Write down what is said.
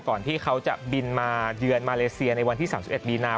ที่เขาจะบินมาเยือนมาเลเซียในวันที่๓๑มีนา